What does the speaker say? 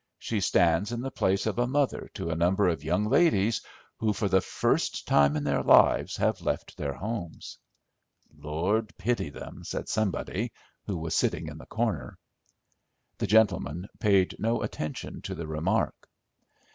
She stands in the place of a mother to a number of young ladies who, for the first time in their lives, have left their homes." "Lord pity them," said somebody, who was sitting in the corner. The gentleman paid no attention to the remark.